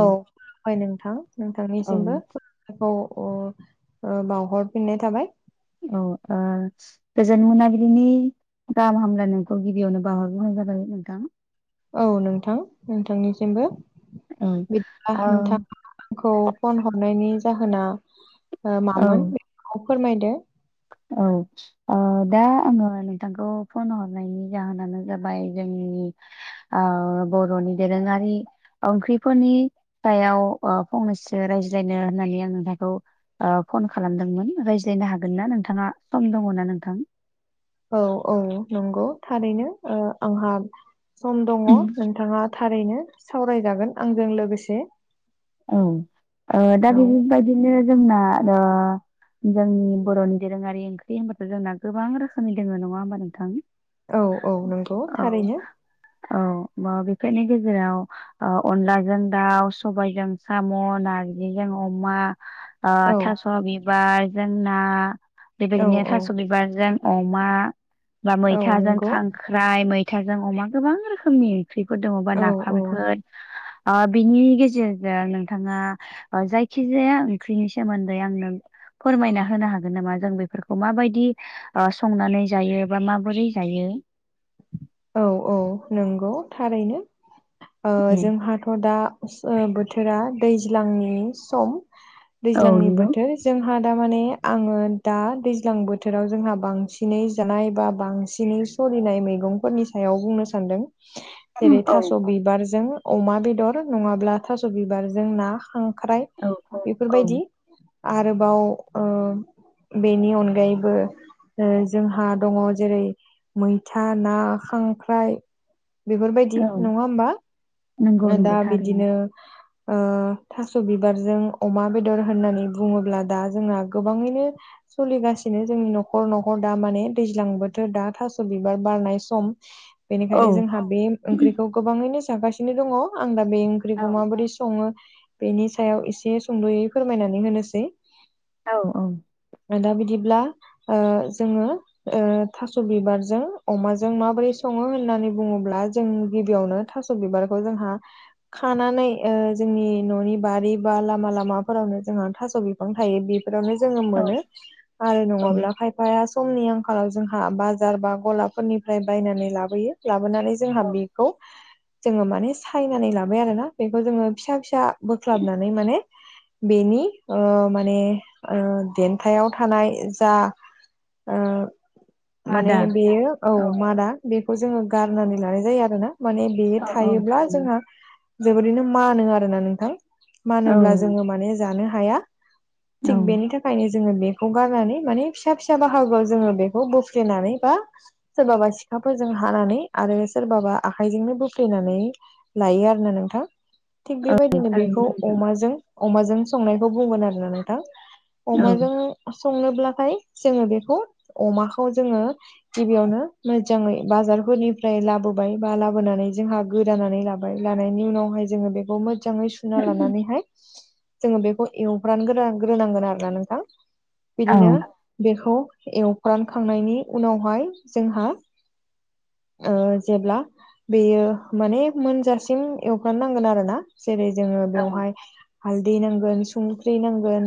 औ फाय नोंथां औ नोंथांनिसिमबो खौ अ ओ बावहरफिननाय थाबाय औ ओ गोजोन मोनाबिलिनि गाहाम हामलानायखौ गिबियावनो बावहरग्रोनाय जाबाय नोंथां। औ नोंथां नोंथांनिसिमबो औ औ बिदिबब्ला नोंथां आंखौ फन हरनायनि जाहोना ओ औ मामोन बेखौ फोरमायदो औ ओ दा आङो नोंथांखौ फन हरनायनि जाहोनानो जाबाय जोंनि औ बर'नि दोरोङारि ओंख्रिफोरनि सायाव ओ फंनैसो रायज्लायनो होननानै आं नोंथांखौ ओ फन खालामदोंमोन रायज्लायनो हागोन ना नोंथाङा सम दङ ना नोंथां? औ औ नंगौ थारैनो ओ आंहा सम दङ नोंथाङा थारैनो सावरायजागोन आंजों लोगोसे। औ ओ दा औ बेबायदिनो जोंना जोंनि बर'नि दोरोङारि ओंख्रि होनबाथ' जोंना गोबां रोखोमनि दोङो नङा होमबा नोंथां। औ औ नंगौ थारैनो औ बा बेफोरनि गेजेराव ओ अनलाजों दाउ, सबायाइजों साम', नारजिजों अमा, औ थास' बिबार जों ना औ बेबायदिनो औ थास' बिबारजों अमा बा औ मैथाजों नंगौ खां ख्राय मैथाजों अमा गोबां रोखोमनि ओंख्रिफोर दङबा औ नाफामफोर ओ बिनि गेजेरजों नोंथाङा जायखिजाया ओंख्रिनि सोमोन्दै आं नों फोरमायना होनो हागोन नामा जों बेफोरखौ माबायदि ओ संनानै जायो बा माबोरै जायो औ औ नंगौ थारैनो ओ उम जोंहाथ' दा ओ बोथोरा दैज्लांनि सम औ दैज्लांनि नंगौ बोथोर जोंहा दामाने आङो दा दैज्लां बोथोराव जोंहा बांसिनै जानाय बा बांसिनै सलिनाय मैगंफोरनि सायाव बुंनो सान्दों जेरै औ थास' बिबारजों अमा बेदर नङाब्ला थास' बिबारजों ना खांख्राय औ औ बिफोरबायदि। आरोबाव ओ बेनि अनगायैबो ओ जोंहा दङ जेरै मैथा ना खांख्राइ बेफोरबायदि नङा होमबा? नोंगौ दा नोंगौ थारैनो। बिदिनो ओ थास' बिबारजों अमा बेदर होननानै बुङोब्ला दा जोंना गोबाङैनो सलिगासिनो जोंनि न'खर न'खर दा माने दैज्लां बोथोर दा थास' बिबार बारनाय सम। औ बेनिखायनो जोंहा बे ओंख्रिखौ गोबाङैनो जागासिनो दङ आं दा बे औ ओंख्रिखौ माबोरै सङो बेनि सायाव एसे सुंद'यै फोरमायनानै होनोसै। औ औ। ओ दा बिदिब्ला ओ जोङो ओ थास' बिबारजों अमाजों माबोरै सङो होननानै बुङोब्ला जों गिबियावनो थास' बिबारखौ जोंहा खानानै ओ जोंनि न'नि बारि बा लामा लामाफोरावनो जोंहा थास' बिफां थायो बेब फोरावनो जोङो औ मोनो आरो नङाब्ला औ खायफाया समनि आंखालाव जोंहा बाजार बा गलाफोरनिफ्राय बायनानै लाबोयो लाबोनानै जोंहा बि खौ जोङो मा माने सायनानै लाबाय आरोना बेखौ जोङो फिसा फिसा बोख्लाबनानै माने बेनि ओ माने ओ देन्थायाव थानाय जा ओ माने मादा बेयो औ मादा बेखौ जोङो गारनानै लानाय जायो आरो ना माने बे औ औ थायोब्ला थारैनो जोंहा जोबोरैनो मानो आरोना नोंथां। औ मानोब्ला जोङो माने जानो हाया औ थिग बेनि थाखा खायनो जोङो बेखौ गारनानै माने फिसा फिसा बाहागोआव जोङो बेखौ बोफ्लेनानै बा सोरबाबा सिखाफोरजों हानानै आरो सोरबाबा आखायजोंनो बो फ्लेनानै लायो आरोना नोंथां थिग औ बेबायदिनो बेखौ थारैनो अमाजों अमाजों संनायखौ बुंगोन आरोना नोंथां नोंथां अमाजों संनोब्लाथाय जोङो बेखौ अमाखौ जोङो गिबियावनो मोजाङै बाजारफोरनिफ्राय लाबोबाय बा लाबोनानै जोंहा गोदानानै लाबाय लानायनि उनावहाय जोङो बेखौ मोजाङै सुना लानानैहाय जोङो बेखौ एवफ्रान गोरान ग्रोनांगोन आरोना नोंथां औ बिदिनो बेखौ एवफ्रानखांनायनि उनावहाय जोंहा ओ जेब्ला बेयो माने मोनजासिम एवफ्रान नांगोन आरो ना जेरै जोङो औ बेवहाय हालदै नांगोन सुंख्रै नांगोन।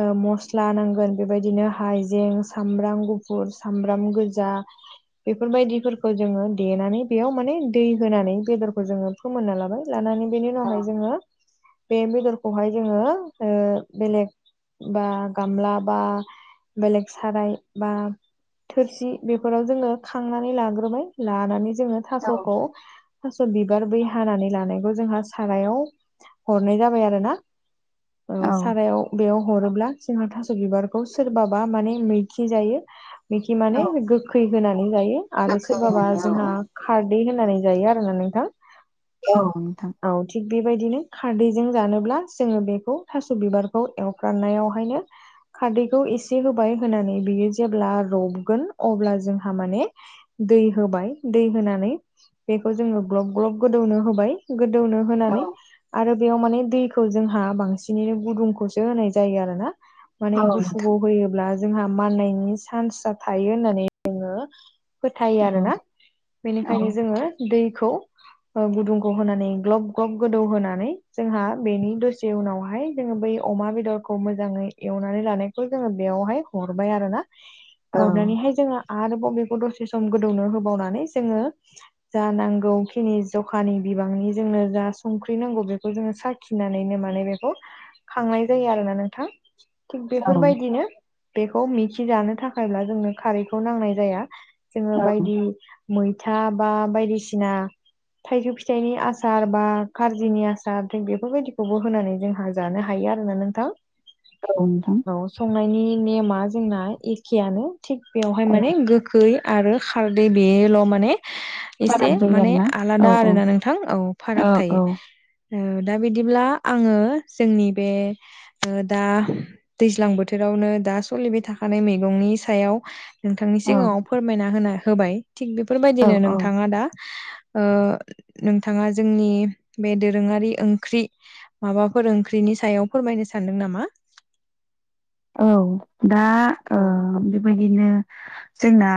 ओ मस्ला नांगोन बेबायदिनो हायजें सामब्राम गुफुर सामब्राम गोजा बेफोरबायदिफोरखौ जोङो देनानै बेयाव माने दै होनानै बेदरखौ जोङो फोमोनना लाबाय लानानै बेनि उनावहाय औ जोङो बे बेदरखौहाय जोङो ओ बेलेग बा गामला बा बेलेग साराय बा थोरसि बेफोराव जोङो खांनानै लाग्रोबाय लानानै जोङो औ थास'खौ थास' बिबार बै हानानै लानायखौ जोंहा सारायाव हरनाय जाबाय आरो ना। औ सारायाव बेयाव हरोब्ला जोंहा थास' बिबारखौ सोरबाबा माने मैखि जायो मैखि माने औ गोखै होनानै जायो आरो सोरबाबा दाख्लैहायनो जोंहा खारदै होनानै जायो आरोना नोंथां औ नोंथां औ थिग बेबायदिनो खारदैजों जानोब्ला जोङो बेखौ थास' बिबारखौ एवफ्रनायावहायनो खारदैखौ एसे होबाय होनानै बियो जेब्ला रबगोन अब्ला जोंहा माने दै होबाय दै होनानै बेखौ जोङो ग्लब ग्लब गोदौनो होबाय गोदौनो होनानै औ आरो बेयाव माने दैखौ जोंहा बांसिनैनो गुदुंखौसो होनाय जायो आरोना माने गुसुखौ नोंथां होयोब्ला जोंहा माननायनि चान्स थायो होननानै जोङो फोथायो औ आरोना औ बेनिखायनो जोङो दैखौ गुदुंखौ होनानै ग्लब - ग्लब गोदौ होनानै जोंहा बेनि दसे उनावहाय जोङो बै अमा बेदरखौ मोजाङै एवनानै लानायखौ जोङो बेयावहाय हरबाय आरो ना [unintelligible] हरनानैहाय जोङो आरोबावबेखौ दसे सम गोदौनो होबावनानै जोङो जा नांगौखिनि जखानि बिबांनि जोंनो जा संख्रि नांगौ बेखौ जोङो साखि फिनानैनो माने बेखौ खांनाय जायो आरोना नोंथां थिग औ बेफोरबायदिनो बेखौ मिथिजानो थाखायब्ला जोंनो खारैखौ नांनाय जाया जोङो औ बायदि मैथा बा बायदिसिना थाइजौ फिथाइनि आसार बा खारजिनि आसार थ बेफोरबायदिखौबो होनानै जोंहा जानो हायो आरोना नोंथां औ नोंथां संनायनि नेमा जोंना एखेआनो थिग बेवहाय औ माने गोखै आरो खारदै बेल' माने एसे फाराग जायो माने आरोना औ आलादा आरो औ ना नोंथां औ फाराग थायो दा बिदिब्ला आङो जोंनि बे दा दैज्लां बोथोरावनो दा सोलिबाय थाखानाय मैगंनि सायाव नोंथांनि औ सिगाङाव फोरमायना होन होबाय थिग औ बेफोरबायदिनो नों औ दा नोंथाङा जोंनि बे दोरोङारि ओंख्रि माबाफोर ओंख्रिनि सायाव फोरमायनो सानदों नामा औ दा औ बेबायदिनो जोंना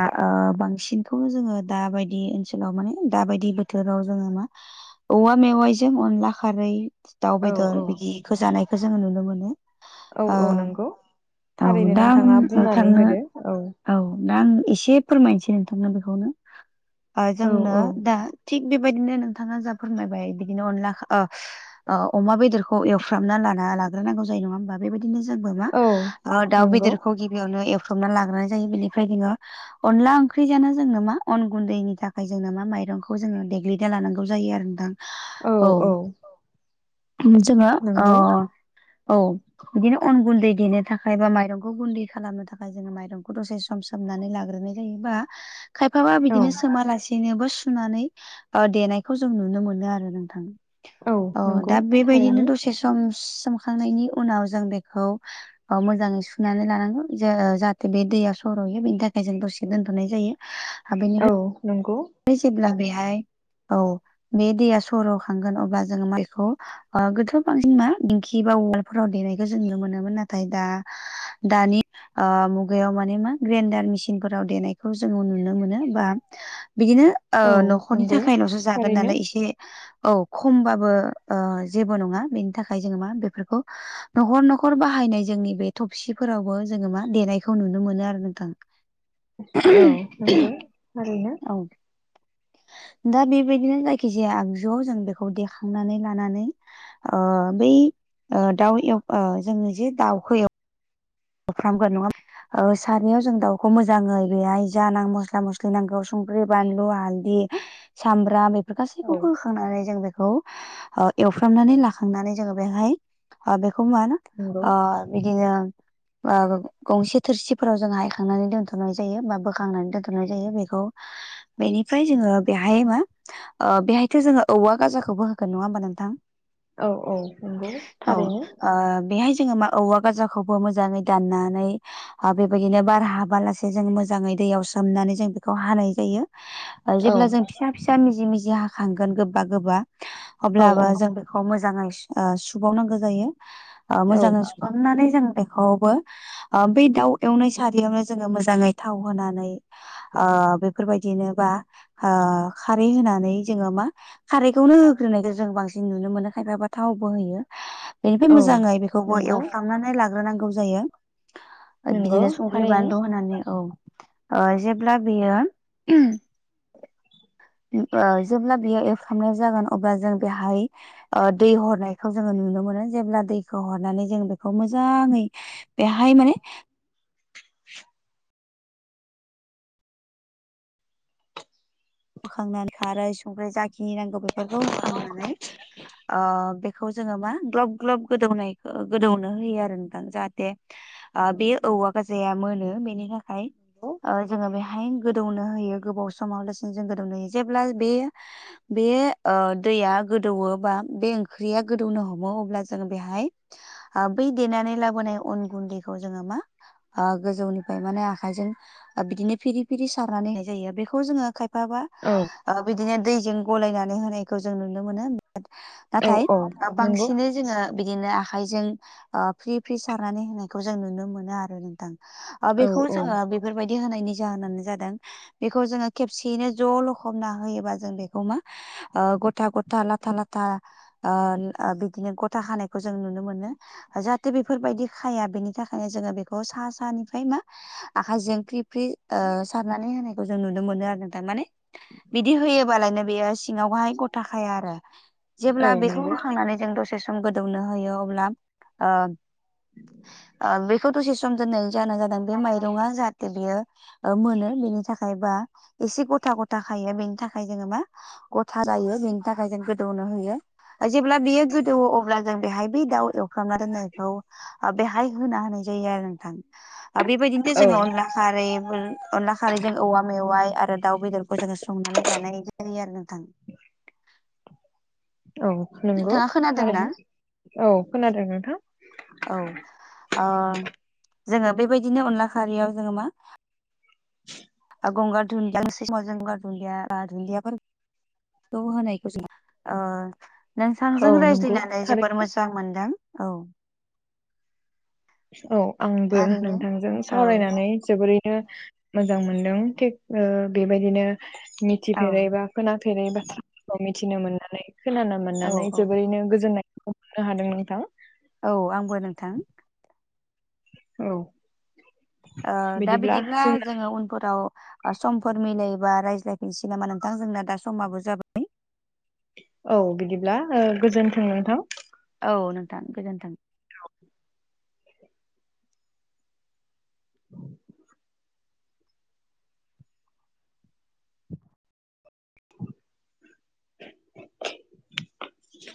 बांसिनखौनो जोङो दाबायदि ओनसोलाव माने दाबायदि बोथोराव जोङो मा औवा मेवाइजों अनला खारै दाउ औ औ बेदर बिदिखौ जानायखौ जोङो नुनो मोनो औ ओ औ नंगौ औ थारैनो दा आं नोंथाङा बुंनानै नोंथांनो होदो औ औ दा आं एसे फोरमायनोसै नोंथांना बेखौनो औ जोंनो औ दा थिग बेबायदिनो नोंथाङा जा फोरमायबाय बिदिनो अनला अमा बेदरखौ एवफ्रामना लाना लाग्रोनांगौ जायो नङा होमबा बेबायदिनो जोंबो मा औ दाउ नंगौ बेदरखौ गिबियावनो एवफ्र्रबना लाग्रोनाय जायो बेनिफ्राय जोङो अनला ओंख्रि जाना जोंनो मा अन गुन्दैनि थाखाय जोंनो मा माइरंखौ जोङो देग्लिना लानांगौ जायो आरो दां औ -औ जोङो नंगौ औ बिदिनो अन गुन्दै देनो थाखाय बा माइरंखौ गुन्दै खालामनो थाखाय जोङो माइरंखौ दसे सम सोमनानै लाग्रोनाय जायोबा खायफाबा औ बिदिनो सोमालासेनोबो सुनानै देनायखौ जों नुनो मोनो आरो नोंथां औ नंगौ दा बेबायदिनो थारैनो दसे सम सोमखांनायनि उनाव जों बेखौ मोजाङै सुनानै लानांगौ ज जाहाथे बे दैया सर'हयो बेनि थाखाय जों दसे दोनथ'नाय जायो ओमफाय नों औ नंगौ फ्राय जेब्ला बेहाय औ बे दैया सर' खांगोन अब्ला जोङो माइखौ गोथो' बांसिन मा दिंखि बा उवालफोराव देनायखौ जों नुनो मोनोमोन नाथाय दा दानि मुगायाव माने मा ग्रेन्डार मेसिनफोराव देनायखौ जोङो नुनो मोनो बा बिदिनो औ न'खरनि नंगौ थाखाय न'सो जागोन थारैनो नालाय एसे औ खमबाबो जेबो नङा बेनि थाखाय जोङो मा बेफोरखौ न'खर न'खर बाहायनाय जोंनि बे थबसिफोरावबो जोङो मा देनायखौ नुनो मोनो आरो नोंथां। [inaudible] औ नंगौ ओरैनो। औ। दा बेबायदिनो जायखि जाया आगजुआव जों बेखौ देखांनानै लानानै। बै दाउ जोङो जे दाउखौ। फ्रामगोन नङा सारनायाव जों दाउखौ मोजाङै बेहाय जान मस्ला मस्लि नांगौ संख्रि बानलु हालदै। सामबाम बेफोर औ गासैखौबो होखांनानै जों बेखौ एवफ्रामनानै औ लाखांनानै जोङो। बेहाय बेखौ मा होना नंगौ बिदिनो गंसे थोरसिफोराव जों हायखांनानै दोन्थ'नाय जायो बा बोखांनानै दोनथ'नाय जायो बेखौ बेनिफ्राय जोङो बेहाय मा बेहायथ' जोङो औवा गाजाखौबो होगोन नङा होमबा नोंथां। औ औ नंगौ औ थारैनो बेहाय जोङो मा औवा गाजाखौबो मोजाङै। गाननानै। बेबायदिनो बार हाबालासे जों मोजाङै दैयाव सोमनानै जों बेखौ हानाय जायो। औ जेब्ला जों फिसा फिसा मिजि मिजि हाखांगोन गोबा गोबा औ अब्लाबो औ जों खौ मोजाङै सुबावनांगौ जायो औ मोजाङै सुखांनानै जों बेखौआवबो बे दाउ एवनाय सारियावनो जोङो मोजाङै थाव होनानै बेफोरबायदिनो बा खारै होनानै जोङो मा खारैखौनो होग्रोनायखौ जों बांसिन नुनो मोनो खायफाबा थावबो होयो। बेनिफ्राय औ मोजाङै बेखौबो नंगौ एवफ्रामनानै लाग्रोनांगौ जायो। नंगौ बिदिनो संख्रि थारैनो बानलु होनानै औ। जेब्ला बेयो। जेब्ला बेयो एरफ्रामनाय जागोन अब्ला जों बेहाय। दै हरनायखौ जोङो नुनो मोनो जेब्ला दैखौ हरनानै जों बेखौ मोजाङै बेेहाय माने होखांनानै खारै संख्रि जाखिनि नांगौ बेफोरखौ होखांनानै खौ जोङो मा ग्लब ग्लब गोदौनाय गोदौनो होयो आरो नोंथां जाहाथे बे औवा गाजाया मोनो बेनि थाखाय जोङो बेहाय गोदौनो होयो गोबाव समाव दसिनो जों गोदौनो होयो जेब्ला बे बे दैया गोदौो बा बे ओंख्रिया गोदौनो हमो अब्ला जोङो बेहाय बै देनानै लाबोनाय अन गुन्दैखौ जोङो मा गोजौनिफ्राय माने आखायजों बिदिनो फिरि फिरि सारनानैहाय जायो बेखौ जोङो खाय बाबा औ बिदिनो दैजों गलायनानै होनायखौ जों नुनो मोनो औ नाथाय औ नंगौ बांसिनै जोङो बिदिनो आखायजों फ्रि फ्रि सारनानै होनायखौ जों नुनो मोनो आरो नोंथां। औ बेखौ औ जोङो बेफोरबायदि होनायनि जाहोनानो जादों बेखौ जोङो खबसेयैनो ज' लखबना होयोबा जों बेखौ मा गथा गथा लाथा लाथा बिदिनो गथा हानायखौ जों नुनो मोनो। जाहाथे बेफोरबायदि खाया बेनि थाखायनो जोङो बेखौ सा सानिफ्राय मा आखायजों ओख्रि फ्रि सारनानै होनायखौ जों नुनो मोनो आरो नों थमाने बिदि होयोबालायनो बेयो सिङावहाय गथाखाया आरो औ जेब्ला बेखौ नंगौ होखांनानै। जों दसे सम गोदौनो होयो अब्ला ओ बेखौ दसे समोम दोननानै जाना जाबाय। बे माइरं जाहाथे बियो मोनो बेनि थाखायबा। एसे गथा गथा खायो बेनि थाखाय जोङो मा गथा गायो बेनि थाखाय जों गोदौनो होयो। जेब्ला बेयो गोदौो अब्ला जों बेहाय ब दाउ एव खालामना दोननायखौ बेहाय होना होनाय जायो आरो नोंथां बेबायदिनोस औ जोङो अनला। खारै अनला खारैजों औवा मेवाइ आरो। दाउ बेदरखौ जोङो संनानै जानाय जायो आरो नोंथां। औ नंगौ नोंथाङा खोनादोंना थारनो औ खोनादों नोंथां। औ ओ जोङो बेबायदिनो अनला खारियाव जोङो मा। गंगार दधन्दिया मजंगार दुन्दिया बा दुन्दियाफोर [unintelligible] तह नखौ ज आ [unintelligible] औ नोंथांजों नंगौ रायज्लायनानै जोबोर थारैनो मोजां मोनदों औ। औ आंबो थारैनो नोंथांजों औ सावरायनानै जोबोरैनो। मोजां मोनदों थिग बेबायदिनो औ मिथिफेरैबा। खोनाफेरै बाथ्राफोरखौ मिथिनो मोननानै खोनानो औ मोननानै औ जोबोरैनो गोजोननाय। नो हादों नोंथां। औ आंबो नोंथां। औ। दा बिदिब्ला जोङो उनफोराव। समफोर मिलायोबा रायज्लायफिनसै नामा नोंथां जोंना दा समाबो जाबाय। औ बिदिब्ला गोजोन्थों नोंथां। औ नोंथां गोजोन्थों। औ। औ [inaudible] [inaudible]